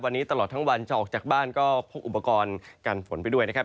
วันนี้ตลอดทั้งวันจะออกจากบ้านก็พกอุปกรณ์กันฝนไปด้วยนะครับ